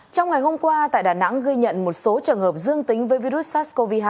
trong ngày hôm qua tại đà nẵng ghi nhận một số trường hợp dương tính với virus sars cov hai